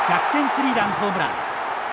スリーランホームラン。